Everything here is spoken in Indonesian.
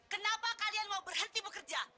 kenapa kalian mau berhenti bekerja